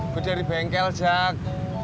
gue dari bengkel zak